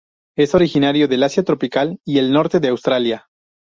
Es originario del asia tropical y el norte de Australia.